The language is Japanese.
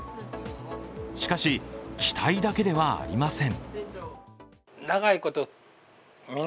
しかし、期待だけではありません。